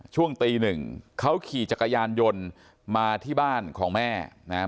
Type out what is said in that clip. ช่วงตีหนึ่งเขาขี่จักรยานยนต์มาที่บ้านของแม่นะครับ